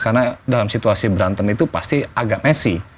karena dalam situasi berantem itu pasti agak messi